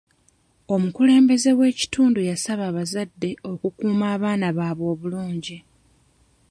Omukulembeze w'ekitundu yasaba abazadde okukuuma abaana baabwe obulungi.